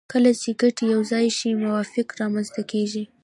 کله چې ګټې یو ځای شي موافقه رامنځته کیږي